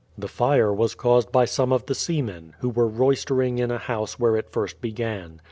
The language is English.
The fire was caused by some of the seamen, who were roystering in a house where it first began.